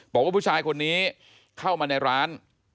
บอกว่าผู้ชายคนนี้เข้ามาในร้าน